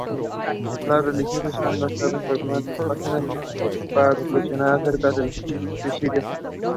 Jordi Reina was his coach